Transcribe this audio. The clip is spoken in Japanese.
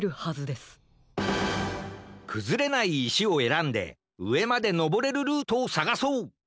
くずれないいしをえらんでうえまでのぼれるルートをさがそう！